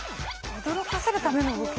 驚かせるための動き？